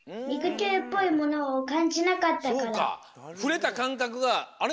ふれたかんかくが「あれ？